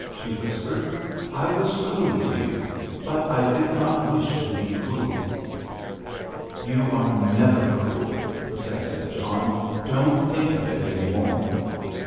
she whispered. "I was cruel to you, but I did not wish to be cruel." "You are never cruel," protested John. "Don't think of it any more."